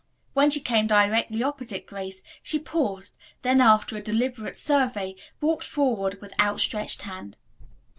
When she came directly opposite Grace she paused, then, after a deliberate survey, walked forward with outstretched hand.